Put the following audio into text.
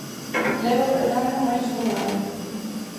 Levo rodando máis dun ano.